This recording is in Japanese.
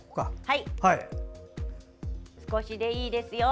少しでいいですよ。